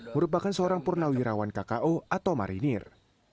merupakan seorang purnawirawan kko atau marinir